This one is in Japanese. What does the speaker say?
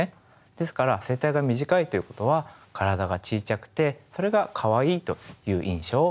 ですから声帯が短いっていうことは体が小ちゃくてそれがかわいいという印象を与えます。